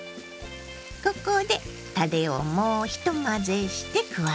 ここでたれをもう一混ぜして加えます。